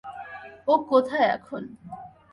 ও কোথায় এখন?